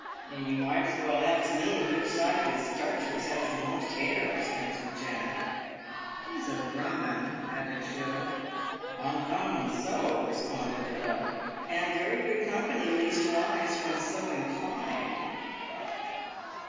" You might as w r ell ax me which side of his starchers has the most hairs," answered Jack. " He's a rum 'un," added Phil. " Uncommon so," responded the Duck, "and very good company, leastways when so inclined."